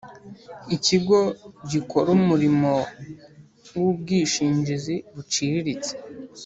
ikigo gikora umurimo w ubwishingizi buciriritse